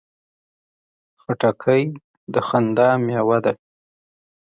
خټکی د خندا مېوه ده.